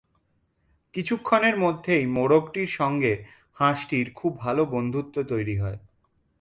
কিছুক্ষণের মধ্যেই মোরগটির সঙ্গে হাঁসটির খুব ভালো বন্ধুত্ব তৈরি হয়।